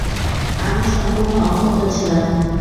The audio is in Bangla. আমি সম্পূর্ণ অক্ষত ছিলাম।